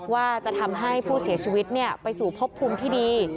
ว่าจะทำให้ผู้เสียชีวิตไปสู่พบภูมิที่ดี